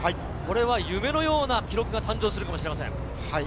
これは夢のような記録が誕生するかもしれません。